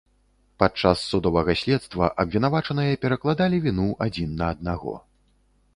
Падчас судовага следства абвінавачаныя перакладалі віну адзін на аднаго.